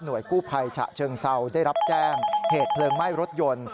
กู้ภัยฉะเชิงเซาได้รับแจ้งเหตุเพลิงไหม้รถยนต์